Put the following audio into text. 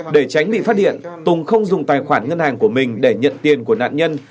để tránh bị phát hiện tùng không dùng tài khoản ngân hàng của mình để nhận tiền của nạn nhân